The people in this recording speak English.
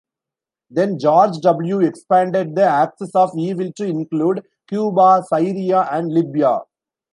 Then George W expanded the axis of evil to include Cuba, Syria and Libya.